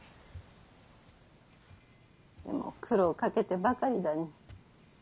・でも苦労かけてばかりだに。